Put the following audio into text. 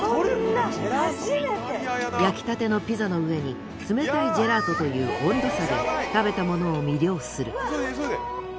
焼きたてのピザの上に冷たいジェラートという温度差で食べた者を魅了する。